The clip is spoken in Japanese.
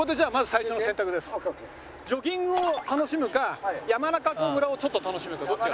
ジョギングを楽しむか山中湖村をちょっと楽しむかどっちが。